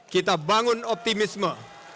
kita bangun optimisme